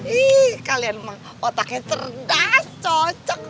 ih kalian otaknya cerdas cocok